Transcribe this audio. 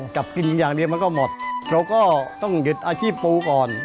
จับกินอย่างเดียวมันก็หมดเราก็ต้องหยุดอาชีพปูก่อน